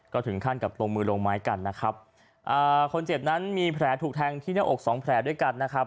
ก็ถึงขั้นกับลงมือลงไม้กันนะครับอ่าคนเจ็บนั้นมีแผลถูกแทงที่หน้าอกสองแผลด้วยกันนะครับ